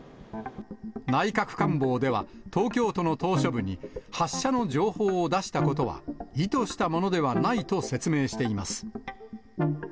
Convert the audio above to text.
内閣官房では、東京都の島しょ部に発射の情報を出したことは意図したものではないと説明しています。